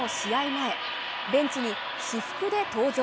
前ベンチに私服で登場。